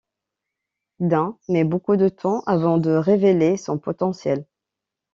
Dunn met beaucoup de temps avant de révéler son potentiel.